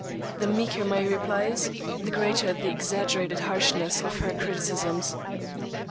The meeker my replies, the greater the exaggerated harshness of her criticisms.